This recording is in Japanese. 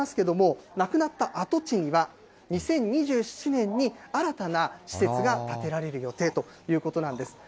この東急百貨店があすで閉店になりますけれども、なくなった跡地には、２０２７年に新たな施設が建てられる予定ということなんです。